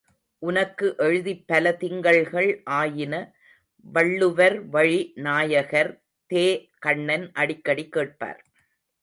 உனக்கு எழுதிப் பல திங்கள்கள் ஆயின வள்ளுவர்வழி நாயகர் தே.கண்ணன் அடிக்கடி கேட்பார்.